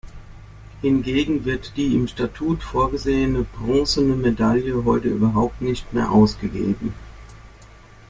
Hingegen wird die im Statut vorgesehene "Bronzene Medaille" heute überhaupt nicht mehr ausgegeben.